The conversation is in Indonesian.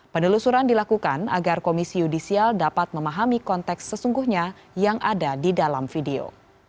penelusuran dilakukan agar komisi yudisial dapat memahami konteks sesungguhnya yang ada di dalam video